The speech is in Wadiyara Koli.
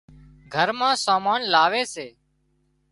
گھر مان سامان لاوي سي